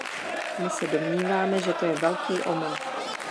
My se domníváme, že to je velký omyl.